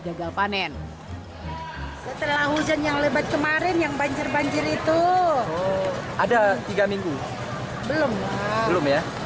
gagal panen setelah hujan yang lebat kemarin yang banjir banjir itu ada tiga minggu belum belum ya